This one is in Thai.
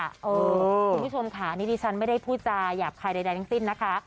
คุณผู้ชมค่ะนี่ดิฉันไม่ได้พูดจาหยาบคายใดทั้งสิ้นนะคะ